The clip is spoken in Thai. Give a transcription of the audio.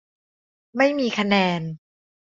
ไม่มีคะแนน